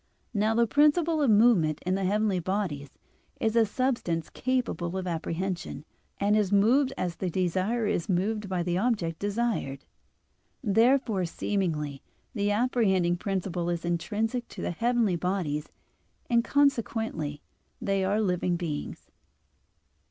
Now the principle of movement in the heavenly bodies is a substance capable of apprehension, and is moved as the desirer is moved by the object desired (Metaph. xii, text. 36). Therefore, seemingly, the apprehending principle is intrinsic to the heavenly bodies: and consequently they are living beings.